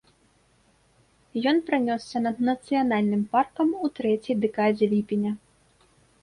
Ён пранёсся над нацыянальным паркам у трэцяй дэкадзе ліпеня.